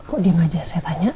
kok diem aja saya tanya